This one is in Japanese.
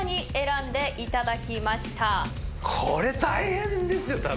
これ大変ですよ。